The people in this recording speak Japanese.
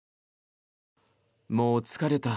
もう疲れた。